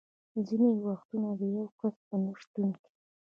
ځینې وختونه د یو کس په نه شتون کې.